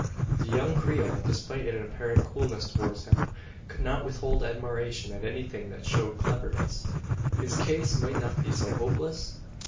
The young Creole, despite an apparent coolness towards him, could not withhold admiration at anything that showed cleverness. His case might not be so hopeless?